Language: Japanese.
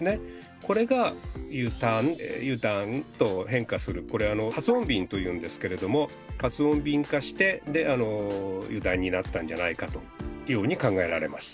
これが「ゆたん」「ゆだん」と変化するこれはつ音便というんですけれどもはつ音便化してで「油断」になったんじゃないかというように考えられます。